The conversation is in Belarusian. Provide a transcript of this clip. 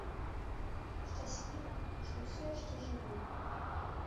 Шчаслівы, што ўсё яшчэ жывы.